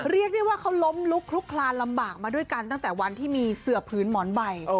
เรียกได้ว่าเขาล้มลุกคลุกคลานลำบากมาด้วยกันตั้งแต่วันที่มีเสือพื้นหมอนใบ